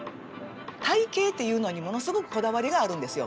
体形っていうのにものすごくこだわりがあるんですよ。